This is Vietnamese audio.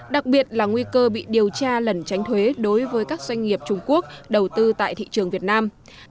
đặc biệt là nguy cơ bị điều tra lẩn tránh thuế đối với các doanh nghiệp trung quốc đầu tư tại thị trường việt nam